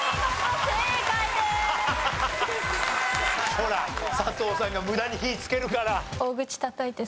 ほら佐藤さんが無駄に火つけるから。